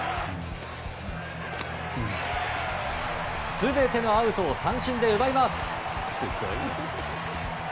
全てのアウトを三振で奪います。